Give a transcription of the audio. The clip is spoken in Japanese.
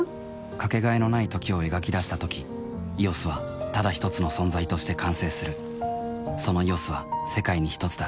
かけがえのない「時」を描き出したとき「ＥＯＳ」はただひとつの存在として完成するその「ＥＯＳ」は世界にひとつだ